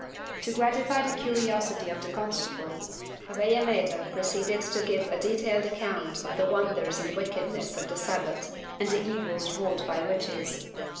To gratify the curiosity of the constable, Avellaneda proceeded to give a detailed account of the wonders and wickedness of the Sabbat and the evils wrought by witches.